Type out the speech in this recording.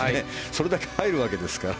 それだけ入るわけですから。